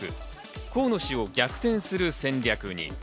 河野氏を逆転する戦略に。